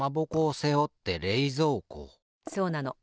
そうなの。